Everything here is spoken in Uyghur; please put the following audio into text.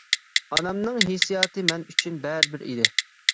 ئانامنىڭ ھېسسىياتى مەن ئۈچۈن بەرىبىر ئىدى.